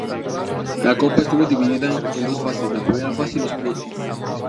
La copa estuvo dividida en dos fases, la primera fase y los play-offs.